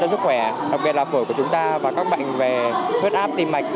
sức khỏe đặc biệt là phổi của chúng ta và các bạn về huyết áp tìm mạch